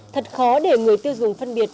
thật khó để người tiêu dùng phân biệt